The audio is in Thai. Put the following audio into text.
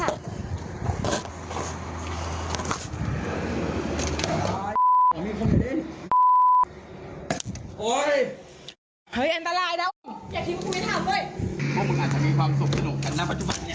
จ๊ะเอาได้ป่ะค่ะ